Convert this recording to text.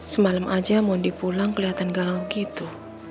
semalam aja mondi pulang kelihatan galau gitu